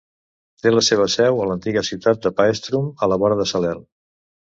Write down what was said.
Té la seva seu a l'antiga ciutat de Paestum, a la vora de Salern.